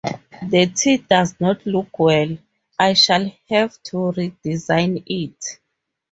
The t does not look well. I shall have to redesign it.